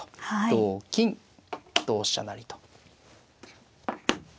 同金同飛車成と。